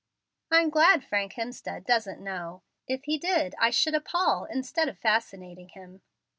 "I'm glad Frank Hemstead doesn't know. If he did, I should appall instead of fascinating him."